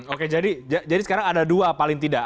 oke jadi sekarang ada dua paling tidak